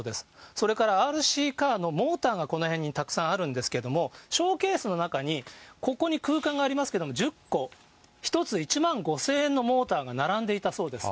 それからＲＣカーのモーターがこの辺にたくさんあるんですけれども、ショーケースの中に、ここに空間がありますけれども、１０個、１つ１万５０００円のモーターが並んでいたそうです。